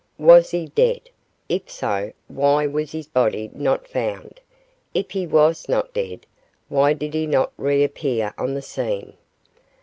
Was he dead? If so, why was his body not found; if he was not dead, why did he not reappear on the scene.